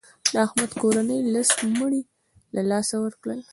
د احمد کورنۍ لس مړي له لاسه ورکړل.